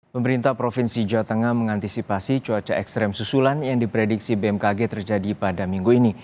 pemerintah provinsi jawa tengah mengantisipasi cuaca ekstrem susulan yang diprediksi bmkg terjadi pada minggu ini